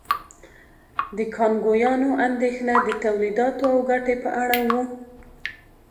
د کانګویانو اندېښنه د تولیداتو او ګټې په اړه وه.